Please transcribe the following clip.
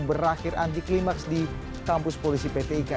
berakhir anti klimaks di kampus polisi pt ika